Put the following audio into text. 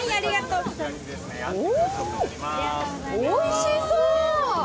おいしそう。